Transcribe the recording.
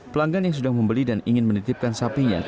pelanggan yang sudah membeli dan ingin menitipkan sapinya